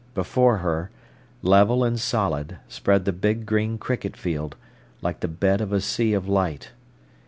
Before her, level and solid, spread the big green cricket field, like the bed of a sea of light.